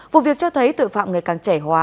vụ việc cho thấy tội phạm ngày càng trẻ hóa